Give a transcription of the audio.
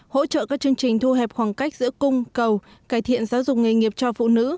hỗ trợ các chương trình thu hẹp khoảng cách giữa cung cầu cải thiện giáo dục nghề nghiệp cho phụ nữ